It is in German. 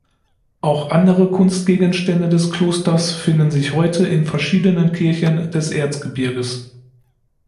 Auch andere Kunstgegenstände des Klosters finden sich heute in verschiedenen Kirchen des Erzgebirges.